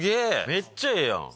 めっちゃええやん。